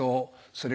それ